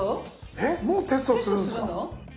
えっもうテストするんすか？